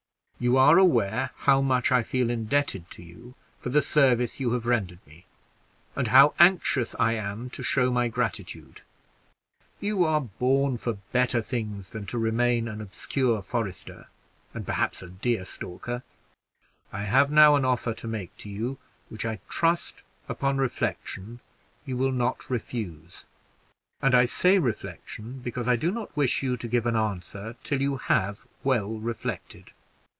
You are aware how much I feel indebted to you for the service you have rendered me, and how anxious I am to show my gratitude. You are born for better things than to remain an obscure forester, and perhaps a deer stalker. I have now an offer to make to you, which I trust, upon reflection, you will not refuse and I say reflection, because I do not wish you to give an answer till you have well reflected.